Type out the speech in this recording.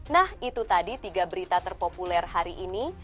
nah itu tadi tiga berita terpopuler hari ini